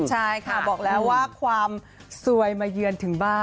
ใช่ค่ะบอกแล้วว่าความสวยมาเยือนถึงบ้าน